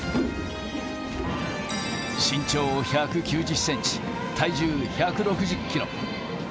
身長１９０センチ、体重１６０キロ。